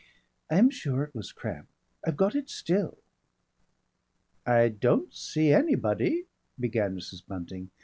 "I am sure it was cramp.... I've got it still." "I don't see anybody " began Mrs. Bunting.